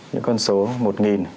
những con số một hai trăm linh chín